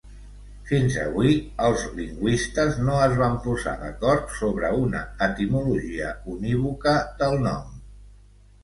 Fins avui, els lingüistes no es van posar d'acord sobre una etimologia unívoca del nom.